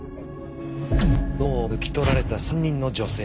脳を抜き取られた３人の女性。